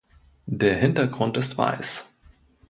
Der Hintergrund ist weiß.